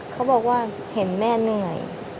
เขาบอกว่าเห็นแม่เหนื่อย